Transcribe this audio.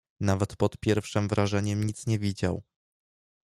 "Nawet pod pierwszem wrażeniem nic nie widział."